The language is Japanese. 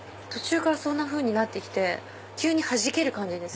途中からそんなふうになって来て急にはじける感じ